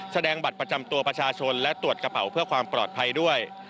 แสดงบัตรประจำตัวประชาชนและตรวจกระเป๋าเพื่อความปลอดภัยด้วย